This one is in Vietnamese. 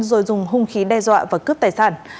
rồi dùng hung khí đe dọa và cướp tài sản